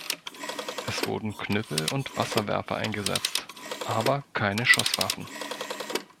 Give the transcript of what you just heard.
Es wurden Knüppel und Wasserwerfer eingesetzt, aber keine Schusswaffen.